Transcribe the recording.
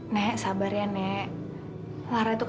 nek sabar ya nek